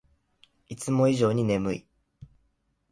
いつも以上に眠い